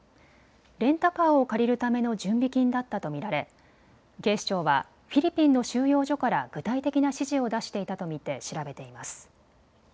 レンタカーを借りるための準備金だったと見られ警視庁はフィリピンの収容所から具体的な指示を出していたと見て調べています。